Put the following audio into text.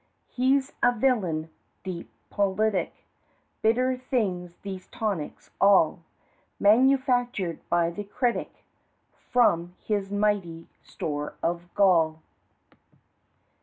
He's a villain deep politic Bitter things these tonics, all, Manufactured by the critic From his mighty store of gall.